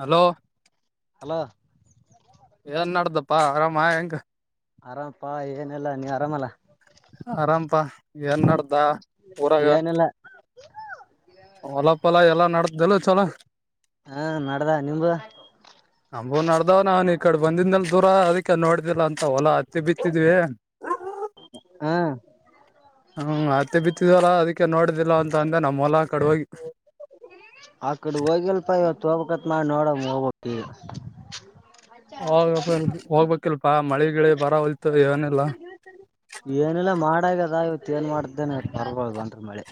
Hello hello ಏನ ಮಾಡಿದಪ್ಪಾ ಆರಾಮಾ ಹೆಂಗ. ಆರಾಮಪಾ ಏನಿಲ್ಲಾ ನೀವ್ ಆರಾಮಲ್ಲಾ ಆರಾಮಪ ಎನ್ನಡ್ದ ಊರಾಗ ಏನಿಲ್ಲ ಹೊಲ ಪಲ ಎಲ್ಲಾ ನಡೆಸಲ ಚಲೋ ಹಾ ನಡ್ದ ನಿಮ್ಮದು ನಮ್ಮಗು ನಡ್ದಾವ್ ನಾವ್ ಈ ಕಡ ಬಂದಿದಲ್ ದೂರ ಅದಕ್ಕೆ ನೋಡಿದಿಲ್ಲ ಅಂತ ಹೊಲಾ ಹತ್ತಿ ಬಿತ್ತಿದ್ವಿ ಹ ಹ್ಮ್ ಅತ್ತೆ ಬಿತ್ತಿದ್ಲ ಅದಕ್ಕೆ ನೋಡಿದಿಲ್ಲ ಅಂತ ಅಂದ್ರೆ ನಮ್ಮ ಹೊಲ್ಲಾ ಕಡುವಾಗಿ ಆ ಕಡೆ ಹೋಗಿಲ್ಪ ಇವತ್ತು ಹೋಗಕತ್ ಮಾಡಿ ನೋಡ ಹೋಗಪ ಈಗ ಹೋಗ ಹೋಗ್ಬೇಕಿಲ್ಪಾ ಮಳಿ ಗಿಳಿ ಬರ ಹೊಯತು ಏನ್ ಇಲ್ಲ ಏನೆಲ್ಲಾ ಮಾಡಾಗ ಆಯ್ತಾ ಮತ್ತ ಏನ್ ಮಾಡ್ದೇನೆ ಬರ್ಬೋದು ಅಂತ ಮಳೆ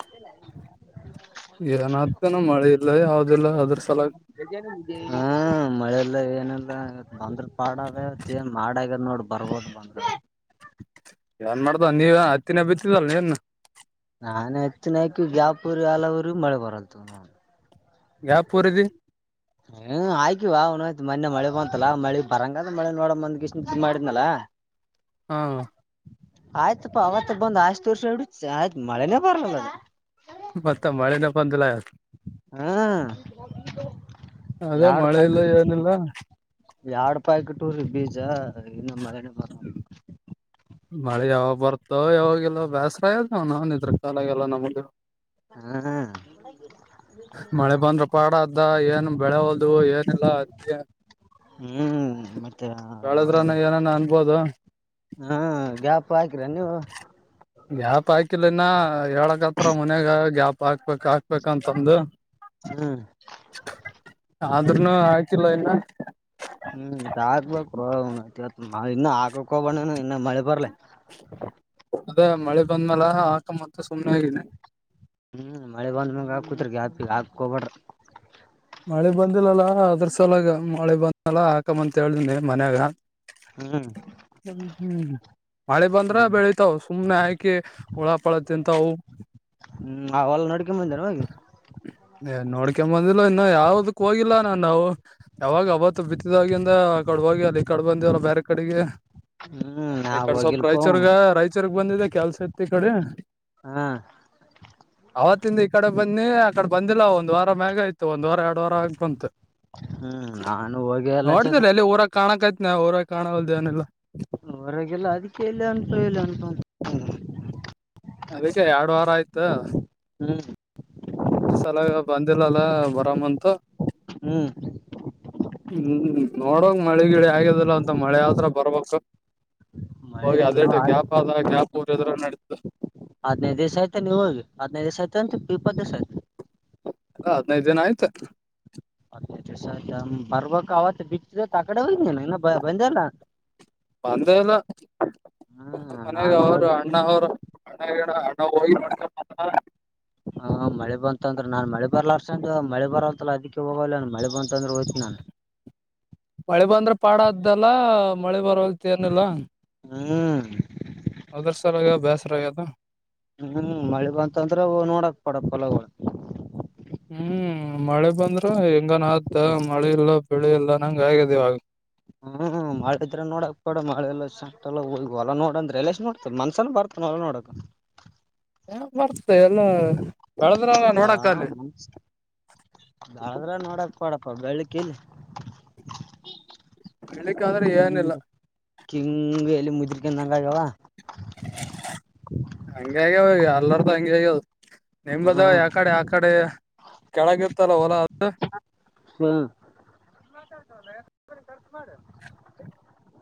ಮಳ ಇಲ್ಲ ಯಾ ಹಾ ಮಳೆ ಇಲ್ಲ ಏನ್ ಏನ ಬಂದ್ರ ಪಾಡದ ಏನ್ ಮಾಡಗ್ಯದ ನೋಡ್ ಬರ್ಬೋದು ಬಂದ್ರ ಏನ್ ಮಾಡ್ದ ನೀವ ಹತ್ತಿನ ಬಿತ್ತಿದ್ದಲ್ ನೀನು ನಾನೇ ಹತ್ತಿನಕು ಯ್ಯಾಪುರಿ ಆಲ ಊರಿಗೆ ಮಳೆ ಬರಲ್ತ ಯಾವ್ ಪೂರಿದಿ ಹ್ಮ್ ಆಯ್ಕಿವ ಅವ್ ಆಯ್ತು ಮೊನ್ನೆ ಮಳೆ ಬಂತಲ್ಲ ಮಳಿ ಬರಂಗದ ಮಳೆ ನೋಡ ಬಂದ್ ಇಷ್ಟ ಮಾಡಿದನಲ [unintelligible] ಹ ಹಾ ಆಯ್ತಪ್ಪಾ ಅವತ್ತ ಬಂದ್ ಆಯ್ತು ವರ್ಷ ಡ ಆಯ್ತು ಮಳೆನೇ ಬರ್ಲಲ್ಲ ಅದು ಮತ್ತ ಮಳಿನೇ ಬಂದಿಲ್ಲ ಹ ಅದ ಮಳೆ ಇಲ್ಲ ಏನಿಲ್ಲ ಯಾಡ್ಪಾಯಕಿಟ್ಟೂರೀ ಬೀಜ ಇನ್ನು ಮಳೆನ ಬರ್ಲಾ ಮಳೆ ಯಾವಾಗ ಬರ್ತಾವ ಯಾವಾಗಲ್ಲ ಬೇಸರ ಅದವ ನ ನಿದ್ರ ಕಾಲಾಗಲ್ಲ ನಮಗ ಹ ಮಳೆ ಬಂದ್ರ ಪಾಡ ಅದ್ದ ಏನ್ ಬೆಳೆ ಹೊಲ್ದು ಏನ್ ಎಲ್ಲ ಅ ಹ್ಮ್ ಮತ್ತೆ ಹೇಳದ್ರನ ಏನಾನ ಅನ್ಬೋದು ಹ್ಮ ಗ್ಯಾಪ್ ಹಾಕಿರ ನೀವು ಗ್ಯಾಪ್ ಹಾಕಿಲಿನ ಹೇಳಕ್ ಹತ್ರ ಮನ್ಯಾಗ ಗ್ಯಾಪ್ ಹಾಕ್ಬೇಕಕ್ ಹಾಕ್ಬೇಕಂತಂದು ಹ್ಮ್ ಆದ್ರೂನು ಹಾಕಿಲ್ಲ ಇನ್ ಹ್ಮ್ ಹಾಕ್ಬೇಕು ಬ್ರೋ ತ್ ಇನ್ನು ಹಾಕಕ್ ಹೋಗ್ಬೇಡ ಇನ್ನು ಮಳೆ ಬರ್ಲಿ ಅದೇ ಮಳೆ ಬಂದ್ಮಲ ಆಕಮ್ಮ ಅಂತ್ ಸುಮಮ್ಮನೆಗಿದೆ ಹ್ಮ್ ಮಳೆ ಬಂದ ಮಂಗ ಹಾಕೂತ್ಕ ಹಾಪಿಲ್ಲ ಹಾಕೊಬಡ್ರಿ ಮಳೆ ಬಂದಿಲ್ಲಲ್ಲ ಅದ್ರ ಸಲಗ ಮಳೆ ಬಂದಲ್ಲ ಹಾಕಂಬಂತ ಹೇಳ್ದಿನಿ ಮನ್ಯಾಗ ಹ್ಮ ಹ ಹ್ಮ್ ಮಳೆ ಬಂದ್ರ ಬೆಳಿತಾವ ಸುಮ್ನೆ ಹಾಕಿ ಉಳಪಳ ತಿಂತವು ಹ್ಮ್ ಅವಲ್ಲ ನೋಡ್ಕ ಬಂದಾರ ಮಿ ಇಲ್ಲ ಇನ್ನು ಯಾವದಕ್ ಹೋಗಿಲ್ಲ ನಾನ್ ನಾವು ಯಾವಾಗ ಅವತ್ತು ಬಿತ್ತಿದವಾಗಿಂದ ಆ ಕಡೆ ಹೋಗಿ ಅಲ್ಲಿ ಈ ಕಡೆ ಬಂದ ಬೇರೆ ಕಡೆಗೆ ಹ್ಮ್ ನಾ ಈ ಕಡೆ ಸ್ವಲ್ಪ ಹೋಗಿಲ್ಪೋ ರಾಯಚೂರ್ಗ ರಾಯಚೂರ್ಗ್ ಬಂದಿದೆ ಕೆಲ್ಸ ಇತ್ತು ಈ ಕಡೆ ಹಾ ಅವತ್ತಿಂದ ಈ ಕಡೆ ಬನ್ನಿ ಆಕಡೆ ಬಂದಿಲ್ಲ ಒಂದ್ ವಾರ ಮ್ಯಾಗ ಆಯ್ತು ಒಂದ್ ವಾರ ಎರಡ ವಾರ ಆಗಕ್ ಬಂತು ಹ್ಮ್ ನಾನು ಹೋಗೆ ಇಲ್ಲ ಚಕ ಕಾಣಕ್ ಆ್ತ ನಾ ಅವರ ಕಾಣಲ್ದೇವನೆಲ್ಲ ಹೊರಗಲ ಅದಕ್ಕೆ ಇಲ್ಲ ಅನ್ಪವ ಇಲ್ಲ ಅನ್ಪ ಅದಕ್ಕೆ ಎರಡು ವಾರ ಆಯ್ತು ಹ್ಮ್ ಅದ್ರ ಸಲ ಬಂದಿಲ್ಲಲ್ಲ ಬರಾಮಂತ ಹ್ಮ್. ಹ್ಮ್ ನೋಡಂಗ ಮಳೆಗಿಳಿ ಆಗದಿಲ್ಲಾ ಅಂತ ಮಳಿ ಆದ್ರ ಬರ್ಬಕ. ಹೋಗಿ ಮಳೆನು ಅದೇಟ ಆಗ್ ಗ್ಯಾಪ್ ಆದ ಗ್ಯಾಪ್ ಊರಿದ್ರ ನಡೀತದ. ಹದ್ನೈದ್ ದಿವ್ಸ ಆಯ್ತೇನ್ ನಿವೋಗಿ ಹದ್ನೈದ್ ದಿವ್ಸ ಆಯ್ತನ್ರಿ ಇಪ್ಪತ್ ದಿವ್ಸ ಆಯ್ತ. ಎಲ್ಲ ಹದನೈದಿನಾ ಆಯ್ತ. ಬರ್ಬಕ ಅವತ್ತ್ ಬಿ. ಇವತ್ ಆಕಡೆ ಹೋಗಿನ್ಯನ್ ಇನ್ನ ಬಂದೇಲ್ಲನಾ. ನಮ್ ಮನೆಗ ಅವ್ರು ಅಣ್ಣಾ ಅವ್ರು ಅ ಅಣ್ಣಾ ಹೊಳಗಿ ಮಾಡ್ಕೋಬಂದಾ. ಹ ಮಳಿಬಂತಂದ್ರ ನಾನ್ ಮಳಿ ಬಾರ್ಲಾಶ್ರಂದ್ ಮಳಿ ಬರ್ವಾತಲ್ಲ ಅದಿಕ್ಕೆ ಹೋಗ್ವಾಲೆನ್ ಮಳಿ ಬಂತಂದ್ರ ಹೋಯ್ತ. ನನ್. ಮಳಿ ಬಂದ್ರ ಪಾಡಾದ್ದಲ್ಲಾ ಮಳಿ ಬರಲ್ತ ಏನಿಲ್ಲ. ಹ್ಮ್. ಆದರಸಲ್ಯಾಗ ಬ್ಯಾಸರಾಗೇದ. ಹ್ಮ್ ಮಳಿ ಬಂತಂದ್ರ ಹೋಗ್ ನೋಡಕ್ ಪಡ ಹೊಲಗೋಳ್. ಹ್ಮ್ ಮಳಿ ಬಂದ್ರ ಹೆಂಗನ ಆದ ಮಳಿ ಇಲ್ಲಾ ಬೆಳಿ ಇಲ್ಲನಂಗ್ ಆಗ್ಯದಿವಾಗ್. ಹ್ಮ್ ಮಳಿದ್ರ ನೋಡಕ್ಬ್ಯಾಡ ಮಳೆಲ್ಲ ಶಂಟಿಲ್ಲಾ ಹೋಗಿ ಹೊಲಾ ನೋಡಂದ್ರೆಲೇಶನ್ ನೋಡ್ತ ಮನ್ಸನ ಬರ್ತ. ಹೊಲ ನೋಡಕ್. ಏನಕ್ ಬರ್ತೆ ಎಲ್ಲಾ. ಹ ಮಂ ಬಾದ್ರ ನೋಡಕ್ ಕೊಡ. ಪಾ ಬೆಳಕಿಲ್. ಹೇಳಿಕ್ಕಂದ್ರ ಏನಿಲ್ಲ. ಕಿಂಗ್ ಎಲ್ಲಿ ಮುದ್ರಕ್ಯಂಗಾಗ್ಯವ. ಎಲ್ಲರ್ದು ಹಂಗೆ ಆಗ್ಯದ. ನಿಂಬದ ಹ್ಮ್ ಯಕಡೆ ಆಕಡೆ ಕೆಳಗಿತ್ತಲ್ಲ ಹೊಲಾ ಅದು. ಹ್ಮ.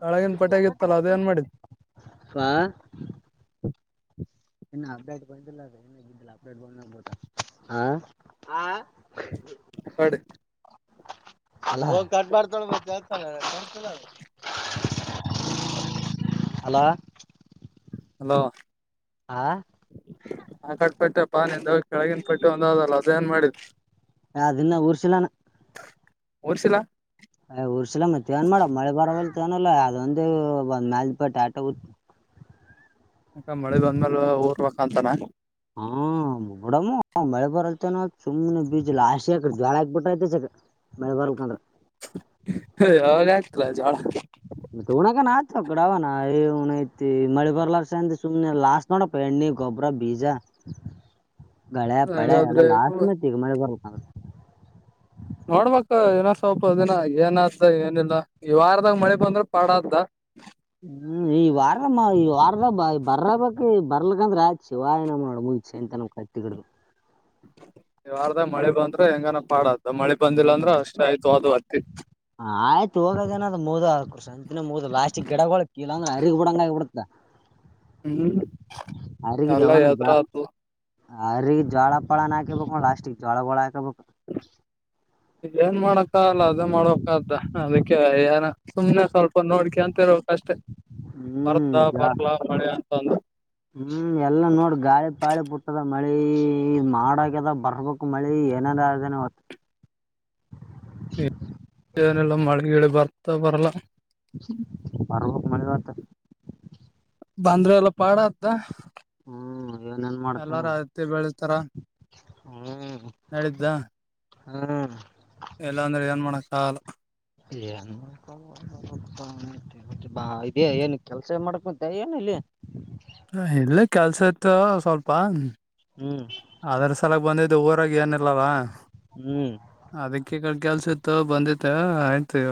ಕೆಳಗಿನ ಪೆಟ್ಟಾಗಿತ್ತಲ್ಲ ಅದೇನ್ ಮಾಡಿದ್ ಪಾ. ಇನ್ನು ಅಪ್ಡೇಟ್ ಬಂದಿಲ್ ಅದ್ ಆ ಆ. ಆಕಾಡಿ. ಅಲ್ಲಾ ಹೋಗ ಕಟ್ ಮಾಡ್ತಳ ಮತ. ಅಲಾ. ಹಲೋ ಆ ಕಟ್ಪಟ್ಟೆಪ್ಪ ನಿಂದ ಕೆಳಗಿನ ಪಟ್ಟಿ ಒಂದದಲ್ಲ. ಏನ್ ಮಾಡಿದಿ. ಏ ಅದಿನ್ನ ಉರ್ಷಿಲ್ಲಣ್. ಒಡ್ಸಿಲ್ಲಾ. ಅಯ್ ಉರ್ಸಿಲಾ ಮತ್ತೇನ್ ಮಾಡಮ ಮಳಿ ಬರವಲ್ತ್. ಾನಲ್ಲ ಅದ ಒಂದೆ ಒ ಮ್ಯಾಲಿನ್ ಪಟ್ಟಿ ಉತ್. ಯಾಕ ಮಳಿ ಬಂದ್ಮೇಲ್ ಓರ್ಬೇಕಂತಾನ. ಹಾ ನೋಡಮ್ಮೂ ಮಳೆ ಬರಲ್ತೇನ ಸುಮನೆ ಬೀಜ ಲಾಶಿಆಕ್ರ ಜ್ವಾಳಾ ಹಾಕ್ಬಿಟ್ರೀಯ್ಥ ಚಕ. ಮಳಿ ಬರ್ಬೇಕಂದ್ರ. ಯಾವಾಗ ಆಗ್ತಿಲಾ ಜ್ವಾಳಾ. ಮತ್ತ ಉುಣಕನ್ ಆಯತ ಕಡ ಅವನ ಏ ಉಣ ಐತಿ ಮಳಿ ಬರ್ಲರ್ಸೆಂದಿ ಸುಮ್ನ ಲಾಸ್ ನೋಡಪ್ಪ ಎಣ್ಣಿ ಗೋ. ಬ್ಬರ ಬೀಜಾ. ಗಳೆ ಪಳೆ ಎಲ್ಲಾ ಹಾಗಾದ್ರೆ ಲಾಸಲೈತಿ ಈಗ ಮಳಿ ಬರ್ಬೇಕಂದ್ರ. ನೋಡ್ಬಕ ಇನ ಸ್ವಪ ದಿನಾ ಏನಾತದ ಏನಿಲ್ಲ ಈ ವಾರದಾಗ ಮಳಿ ಬಂದ್ರ ಪಾಡ ಆತದ. ಹ್ಮ್. ಈ ವಾರಮ ಈ ವಾರದಾ ಬರಬಕ್ ಬರ್ಲಕ್ಕಂದ್ರ ಆತ್ ಶಿವಾಯ ನಮಃ ನೋಡ ಮುಂದ ಸಂಚಾನ ಕಟ್ಟಿಗಿಡದ. ಈ ವಾರದಾಗ್ ಮಳಿ ಬಂದ್ರ ಹೆಂಗಾನ ಪಾಡತ್. ಹ್ಮ್ ಆಯ್ತ ಹೋಗದನದು ಮೋಗದದ್. ಅವಕ್ರು ಸಂತಿನ ಮುಗ್ದ ಲಾಸ್ಟಿಗೆ ಗಿಡ-ಗಿಡಗೊಳ್ ಹರಿಗಿ ಬಿಡಂಗ ಆಗಿಬಿಡ್ತದ. ಹೂಂ ಎಲ್ಲಾ ಎದುರ್ ಆದ್ದು. ಆ ರಿ ಜೋಳ ಪಾಳನ ಹಾಕೆಬೇಕ ಲಾಸ್ಟಿಗ್ ಜೋಳ ಗಳ ಹಾಕಬೇಕ ಇಲ್ಲೆನ ಮಾಡಕ್ಕಾಗಲ್ಲ ಅದೇ ಮಾಡ್ಬೇಕ್ದ ಆತದ ಅದಕ್ಕೆ ಏನ ಸುಮನೆ ಸ್ವಲ್ಪ ನೋಡ್ಕೆಂತ ಇರಬೇಕ್ ಅಷ್ಟೆ ಬರ್ತದ ಬರ್ಲಾ ಮಳಿ ಅಂತಂದು ಹೂಂ ಎಲ್ಲಾ ನೋಡ ಗಾಳಿ ಪಾಳಿ ಬುಟ್ಟದ ಮಳಿ ಮಾಡಾಗ್ಯದ ಬರ್ಬೇಕು ಮಳಿ ಏನೇನ ಆದೇನ ಇವತ್ತ [inaudible] ಎನಿಲ್ಲ ಮಳಿಗಿಳಿ ಬರ್ತಾದ ಬರಲ್ಲ ಬರಬೇಕ ಮಳಿ ಇವತ್ತ ಬಂದ್ರ ಎಲ್ಲ ಪಾಡತ್ತದ ಹ್ಮ್ ಏನೇನ್ ಮಾಡ್ತೇನ ಎಲ್ಲಾರು ಹತ್ತಿ ಬೆಳಸತಾರ ಹ್ಮ್ ನಡಿತ್ತದ ಹ್ಮ್ ಎಲ್ಲಾ ಅಂದ್ರ ಏನ್ ಮಾಡಕಾಗಲ ಇದೆ ಏನ್ ಕೆಲ್ಸ ಮಾಡ್ಕೊಂತ ಏನ ಎಲ್ಲಿ ಇಲ್ಲೆ ಕೆಲ್ಸ ಇತ್ ಸ್ವಲ್ಪ ಹ್ಮ್ ಅದ್ರ ಸಲಕ್ ಬಂದಿದ್ದೆ ಊರಾಗ ಏನಿಲ್ಲಲ್ಲ ಹ್ಮ್ ಅದಕ್ಕೆ‌ ಈ ಕಡಿ ಕೆಲ್ಸಿತ್ತು ಬಂದಿದೆ ಆಯ್ತ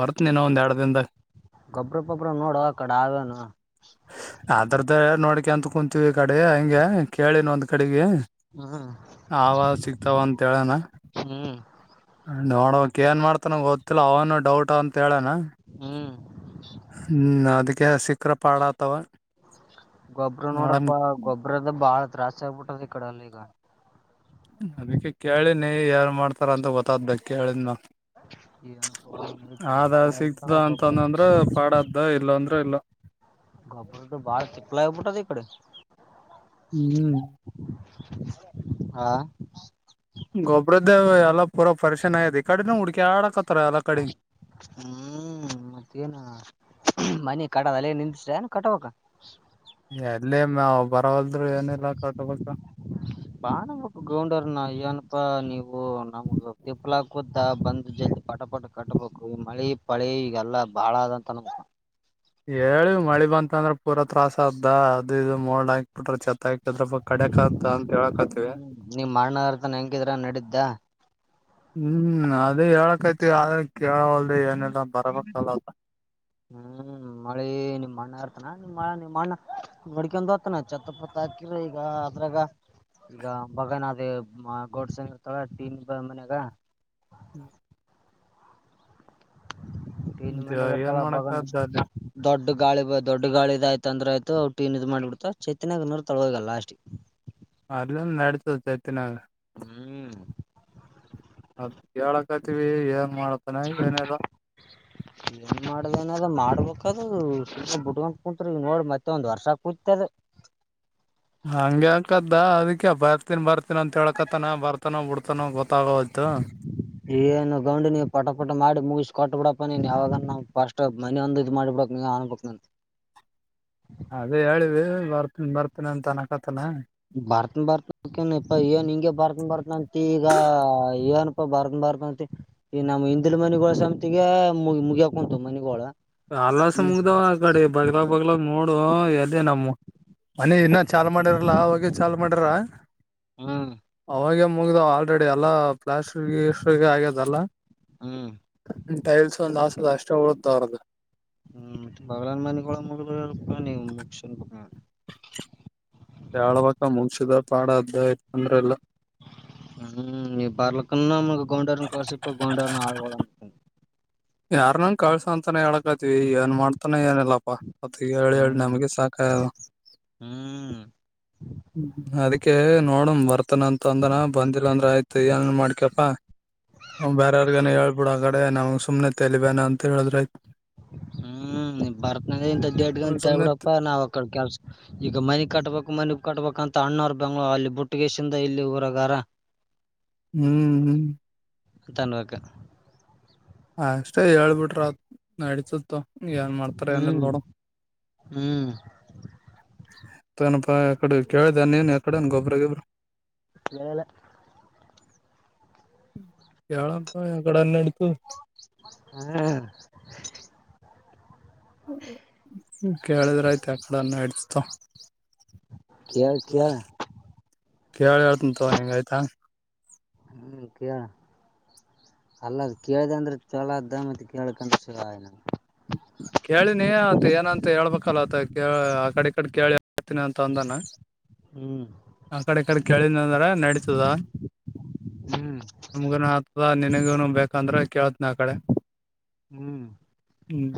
ಬರ್ತನಿ ಇನೊಂದ ಎರಡ ದಿನದಾಗ ಗೊಬ್ಬರ್ ಪಬ್ರ ನೋಡೊ ಅ ಕಡ ಆದೇನ ಕ ಅಂತ್ ಕುಂತವಿ ಈ ಕಡಿ ಹಂಗೆ ಕೇಳಿನ ಒಂದ್ ಕಡಿಗಿ ಹಾ ಹ್ಮ್ ನೋಡಬೇಕ್ ಏನ್ ಮಾಡ್ತನ ಗೊತ್ತಿಲ್ಲ ಅವನು ಡೌಟ್ ಅಂತ ಕೇಳನ ಹ್ಮ್ ಅದಕ್ಕೆ ಸಿಕ್ಕರ ಪಾಡ ಆತವ ಗೊಬ್ಬರ ನೋಡಮ್ ನೋಡಪ್ಪ ಗೊಬ್ಬರ್ ದ ಬಾಳ ತ್ರಾಸ ಆಗ್ಬಿಟ್ಟದ ಈ ಕಡೆ ಎಲ್ಲ ಈಗ ಅದಕ್ಕೆ ಕೇಳಿನಿ ಏನ ಮಾಡ್ತಾರ ಅಂತ ಗೊತ್ತಾದ್ದ ಕೇಳಿದ್ ಮ್ಯಾಲ [inaudible] ಆದ ಸಿಗ್ತದ ಗೊಬ್ರ ಅಂತಂದಂದ್ರ ಪಾಡತದ್ದ ಇಲ್ಲ ಅಂದ್ರ ಇಲ್ಲ ಗೋಬ್ಬರದು ಬಾಳ ತಿಪ್ಪಲ ಆಗಿಬಿಟದ ಈ ಕಡಿ ಹ್ಮ್ ಹಾ ಗೊಬ್ರದ್ ಎಲ್ಲ ಪೂರ ಪರಿಶನ್ ಆಗ್ಯದ ಈ ಕಡಿನು ಹುಡುಕ್ಯಾಡ ಹ್ಮ್ ಮತ್ತೇನ ಮನಿ ಕಟ್ಟ ಅದಲ್ಲಿಗೆ ನಿಂತಷೇನ ಕಟ್ಟಬೇಕ ಎಲ್ಲಿಂದ ನಾವ ಅಂದ್ರ ಏನಲ್ಲಾ ಕಟ್ ಬೇಕ್ ಬಾ ಅನ್ನಬೇಕ ಗೌಂಡೆರ್ನ ಏನಪಾ ನೀವು ನಮ್ಗ ತಿಪ್ಪಲಾಗ ಕು ಬಂದ ಜಲ್ದಿ ಪಟ ಪಟ ಕಟ್ಟಬೇಕು ಮಳಿ ಪಳಿ ಈಗೆಲ್ಲಾ ಬಾಳ ಅದಂತ ಅನಬೇಕ ಹೇಳಿವ ಮಳಿ ಬಂತ ಅಂದ್ರ ಪೂರಾ ತ್ರಾಸ ಆತದ್ದ ಅದು ಇದು ಮೋಲಡ ಹಾಕ್ ಬಿಟ್ರ ಚತ್ ಆಗ್ ಸ್ವಲ್ಪ‌ ಕಡೆಕಂತ ಅಂತ ಹೇಳಕತ್ವಿ ಹ್ಮ್ ನಿಮ್ ಅಣ್ಣ ಇರ್ತಾನ ಹೆಂಗಿದ್ರ ನಡಿದ್ದ ಹ್ಮ್ ಅದೇ ಹೇಳಕತ್ತೀವಿ ಆದ ಕೇಳವಲ್ದು ಏನಿಲ್ಲಾ ಬರಬೇಕಲ್ಲ ಅದು ಹ್ಮ್ ಮಳಿ ನಿಮ್ ಅಣ್ಣ ನಿಮ್ಮ ನಿಮ್ಮ ಅಣ್ಣ ಬುಡ್ಕಿಂದ ಹೊತ್ತಾನ ಛತ್ತ ಪತ್ತ ಹಾಕಿರ ಈಗ ಅದ್ರಾಗ ಈಗ ಬಗೆನದ ಗೋಡ್ಸಾನ್ ಇರ್ತಳ ಟೀನ್ನಸದ ಮನ್ಯಾಗ ಹ್ಮ್ ನ್ ಮನೆ ಅಗ ಏನ್ ಡ ಬಗ ಮಾಡಕದ ದಡ್ ಅಲ್ಲಿ [unintelligible] ದೊಡ್ಡ ಗಾಳಿ ದೊಡ್ ಗಾಳಿ ಇದಾಯ್ತ ಅಂದ್ರ ಆಯತ ಟೀನ್ ಇದು ಮಾಡಬಿಡ್ತರ ಚೇತಿನ್ಯಾಗರ ಇರುತ್ತಾಳ ಹೋಗಿ ಲಾಷ್ಟಿಗ ಅಲ್ಲಿಂದ ನಡ್ತಿತಿದ ಚೇತಿನಾಗ ಹ್ಮ್ ಅದ ಕೇಳಕ್ತಿವಿ ಏನ್ ಮಾಡತಾನ ಏನಿಲ್ಲ ಮಾಡದೇನದ್ ಮಾಡ್ಬೇಕದು ಸುಮ್ನೆ ಬಿಟ್ಕೊಂತ ಕುಂತ್ರ ನೋಡ್ ಮತ್ತೆ ಒಂದ್ ವರ್ಷಾಗ ಕೂತದ [inaudible] ಹಂಗಗೆ ಅಕದ ಅದಕ ಬರ್ತಿನಿ ಬರ್ತೀನ ಅಂತ ಹೇಳಕತಾನ ಬರ್ತಾನೋ ಬಿಡ್ತಾನೋ ಗೊತ್ತ ಏನು ಗೌಂಡಿನಿ ಪಟ ಟ್ಟ ಮಾಡಿ ಮೂಗಿಸಸ್ ಕೊಟ್ಟಟ್ ಬಿಡಪ್ಪ ನೀನ್ ಯಾವಾಗಫಸ್ಟ್ ಮನಿ ಒಂದ ಇ್ ಮಾಡಿಬ ಬಿಡಕ್ ನೀ ಅನ್ಬಬೇಕಕ್ ನ ಅದೇ ಹೇಳಿವಿ ಬರ್ತನಿ ಬರ್ತೀನಿ ಅಂತನಕ ಬರ್ತ ಬರ್ತಕೇನ್ ಇಪ ಏನ್ ಹಿಂಗಗೆ ಬರ್ತನ್ ಬರ್ತಂತ ಈಗ ಏನಪ ಬರ್ದ ಬರ್ತ ಮ ಈ ನಮ್ಮ್ ಹಿಂದಿಲು ಮನೆಿಗಳ ಸಮತಿಗೆ ಮುಗಿ ಮುಗಿಯಕೊಂಂತ ಮನೆಿಗಳು ಅಲ್ಲಸ ಮುಗ್ದಾವ್ ಆ ಕಡೆ ಬಗ್ಲ ಬಗ್ಲ ನೋಡು ಎದೆೇ ನಮ್ಮ ಮನಿ ಇನ್ನ ಚಾ ಮಾಡಿರಲ್ಲ ಅವಾಗೆ ಚಾಲ್ ಮಾಡಿರ ಹ್ಮ್ ಅವಾಗ ಮುಗಿದ ಆಲ್ರೆಡಿ ಎಲ್ಲ ಪ್ಲಾಸ್ಟಿ ಆಗ್ಯದಲ್ಲಾ ಹ್ಮ್ [inaudible] ಟೈಲ್ಸ್ ಒಂದ ಆಸದ ಅಷ್ಟ ಳತರದು ಹ್ಮ್ ಬಲನ್ ಮನೆಳ ಮುಕ್ಷನ್ ಯಳ್ಬೇಕಕ್ಕ ಮುಂಸಿದ ಪಾಡ ಅದ್ದ [inaudible] ಹ್ಮ್ ನೀ ಬಾರ್ಲ ಕನ್ನ ಮ ಗೌಂಡವರ್ನ್ ಕಳಸಪ್ಪ ಗೌಂಡವರ್ನ ಹಡ್ಗ ಅಿ ಯಾರ್ನಂಗ ಕಳ್ಸ ಅಂತಾನ ಹೇಳಕತ್ತ ಏನ್ ಮಾಡ್ತಾನ ಏನಲ್ಲಾಪ್ಪಾ ಮತ್ತ ಹೇಳಿ ಹೇಳಿ ಹ್ಮ್ ನಮಗೆ ಸಾಕದು ಹ್ಮ್ ಹ್ಮ ಅದಕ್ಕೆ ನೋಡಮ ಬರ್ತನ ಅಂತ ಅಂದನ ಬಂದಿಲ್ಲ ಅಂದ್ರ ಆಯ್ತು ಏನ್ ಮಾಡ್ಕಪ್ಪಾ ಬೇರವರ್ಗ ಹೇಳ್ಬಿಡ ಆ ಕಡೆ ನಾವ್ ಸುಮನೆತೆಲಿ ಬೇನ ಅಂತ ಹೇಳಿದ್ರ ಆಯತ ಹ್ಮ ಬರ್ತ್ ಇಟ್ಗ ಆಯ್ತು ಅಂತಳ್ ಸುಮ್ನೆ ಬಿಿಡಪ್ಪಾ ನಾವ್ ಅಕ್ಕ ಕೆಲ್ಸ ಈಗ ಮನೆಗ್ ಕಟ್ಬೇಕು ಮನಿ ಕಟ್ಬೇಕಂತ ಅಣ್ಣೂರ್ ಬೆಂಗ್ಳೂರು ಅಲ್ಲಿ ಬುಟ್ಟಗೇಶಿಂದ ಇಲ್ಲಿ ಊರಗಾರ ಹ್ಮ್ ಹ್ಮ್ ತನ್ವಕ ಹ ಅಷ್ಟೇ ಹೇಳ್ಬಿಟ್ರ ನಡಸುತ್ತ ಏನ್ ಮಾಡ್ತಾರೆ ಹ್ಮ್ ಏನ್ಲ್ಲೋಡ ಹ್ಮ್ [inaudible] ನಪಾ ಎಕಡೆ ಕೇಳ್ದ ನೀನ್ ಎಕಡ ಗೊಬ್ಬ್ರ ಗೊಬ್ರ ಕೇಳಿಲ್ಲ ಕೇಳಳಂತ ಎ ಕಡೆನ್ನ ಅಡ್ತು ಹ್ಮ್ [inaudible] ಕೇಳಿದ್ರಯ್ತ ಆ ಕಡನ್ನ ಇಡ್ತಿತ ಕಳ್ ಕಳ ಕ ಹೇಳ್ತಂತವ ನಿಂಗ ಆಯ್ತಾ ಹ್ಮಕ್ಕ ಅಲ್ಲ ಅದ ಕೇಳ್ದ ಅಂದ್ರೆ ಚಲ ಅದ್ದ ಮತ್ತೆ ಕೇಳಕಂದ್ರೆ ಚಲನ ಕೇಳಿನಿ ಅತ್ ಏನಂತ ಹೇಳ್ಬೇಕಲ್ಲ ಆತ ತಂದನ ಹ್ಮ್ ಆ ಕಡೆ ಕಡೆ ಕೇಳಿದ ಅಂದ್ರ ನಡೀತದ ಹ್ಮ್ ನಮಗನು ಹತದ ನಿನಗೂನು ಬೇಕಂದ್ರೆ ಕೇೇಳತ್ನ ಆ ಕಡೆ ಹ್ಮ್ ಹ್ಮ್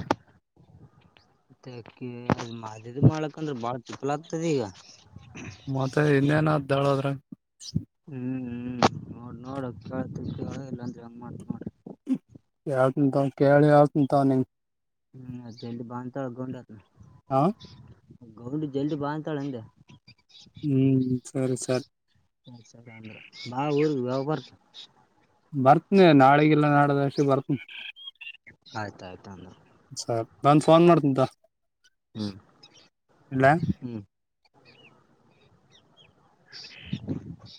[inaudible] ಇದ್ ಮಾಡ್ಕಂದ್ರೆ ಬಾಳ ಥೀಪ್ಪಲ ಆಗ್ತದೆ ಈಗ ಮತ್ತೆ ಇನ್ನೇನದ್ದಾಳದ್ರ ಹ್ಮ್ ಹ್ಮ್ ನೋಡ್ ನೋಡಳ್ತ ಇಲ್ಲಾಂದ ಹೆಂಗ ಮಾಡ್ ನೋಿ ಯಾವ ಉಂಂತ ಕೇಳಿ ಯಾವತ ಉಂಂತಾವ ನಿನ್ ಹ್ಮ್ ಅದ ಎಲ್ಲಿ ಬಾ ಅಂತ ಏಳು ಗೊಂಡೆ ರ್ ಹಾ ನ ಗೌಂಡ ಜಲ್ದಿ ಬಾ ಅಂತಾಳಂದ ಹ್ಮ್ ಸರಿ ಸರಿ ದ್ರೆ ಬಾ ಊರ್ ಯ ಬರ್ತ ಬರ್ತನನೆ ನಾಳಿಗೆಲ್ಲ ನಾಡದಷ್ಟೆ ಬರ್ತನಿ ಆಯ್ತ್ ಆಯ್ತ್ ಅಂದ್ರ ಸರ್ ನನ್ ಫೋನ್ ಮಾಡ್ತನಂತ [inaudible] ಹ್ಮ್ ಹ್ಮ್ [inaudible]